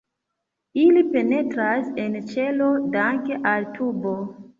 Ili penetras en ĉelo danke al tubo.